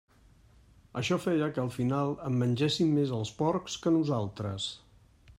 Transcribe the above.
Això feia que al final en mengessin més els porcs que nosaltres.